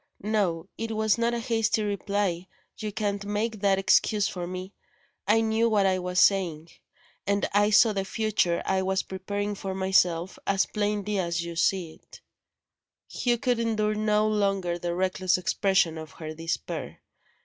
No; it was not a hasty reply you can't make that excuse for me. I knew what I was saying; and I saw the future I was preparing for myself, as plainly as you see it " Hugh could endure no longer the reckless expression of her despair.